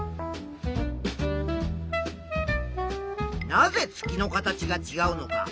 なぜ月の形がちがうのか。